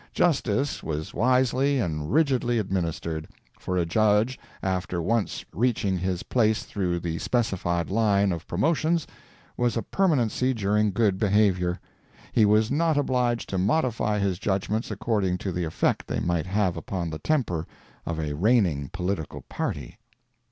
Justice was wisely and rigidly administered; for a judge, after once reaching his place through the specified line of promotions, was a permanency during good behaviour. He was not obliged to modify his judgments according to the effect they might have upon the temper of a reigning political party.